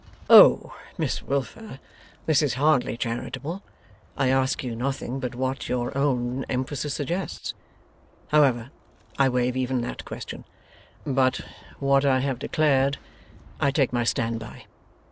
'Oh, Miss Wilfer, this is hardly charitable. I ask you nothing but what your own emphasis suggests. However, I waive even that question. But what I have declared, I take my stand by.